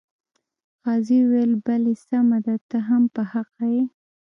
قاضي وویل بلې سمه ده ته هم په حقه یې.